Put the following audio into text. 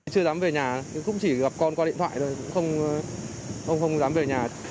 chưa dám về nhà cũng chỉ gặp con qua điện thoại thôi không dám về nhà